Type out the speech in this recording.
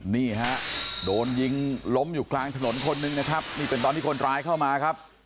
นี่ฮะโดนยิงล้มอยู่กลางถนนคนนึงนะครับนี่เป็นตอนที่คนร้ายเข้ามาครับ